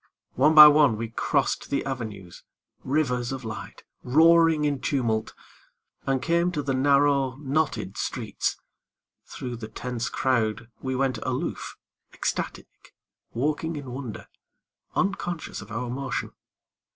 One by one we crossed the avenues, Rivers of light, roaring in tumult, And came to the narrow, knotted streets. Thru the tense crowd We went aloof, ecstatic, walking in wonder, Unconscious of our motion.